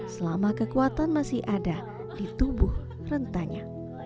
selama kekuatan masih ada di tubuh rentanya